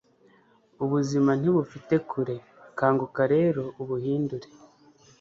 ubuzima ntibufite kure, kanguka rero ubuhindure